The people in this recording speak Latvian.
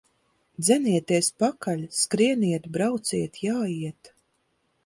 Dzenieties pakaļ! Skrieniet, brauciet, jājiet!